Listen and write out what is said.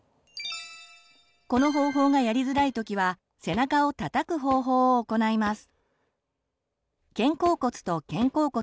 この方法がやりづらいときは背中をたたく方法を行います。